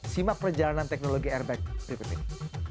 simak perjalanan teknologi airbag berikut ini